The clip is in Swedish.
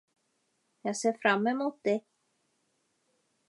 Jag ser fram emot det!